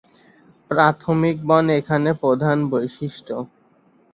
প্রাথমিক বন এখানে প্রধান বৈশিষ্ট্য।